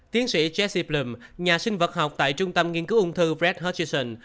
tiến sĩ jesse blum nhà sinh vật học tại trung tâm nghiên cứu ung thư fred hutchison